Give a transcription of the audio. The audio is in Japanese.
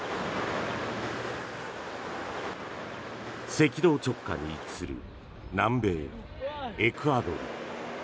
赤道直下に位置する南米エクアドル。